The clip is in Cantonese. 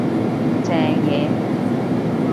正野